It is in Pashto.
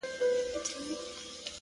• اوس مي لا په هر رگ كي خـوره نـــه ده ـ